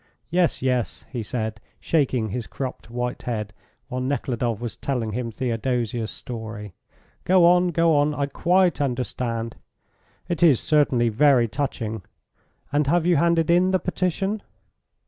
Yes, yes," he said, shaking his cropped white head, while Nekhludoff was telling him Theodosia's story. "Go on, go on. I quite understand. It is certainly very touching. And have you handed in the petition?"